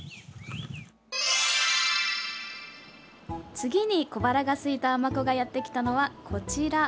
次に小腹がすいた尼子がやってきたのは、こちら。